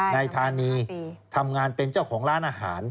นายธานีทำงานเป็นเจ้าของร้านอาหาร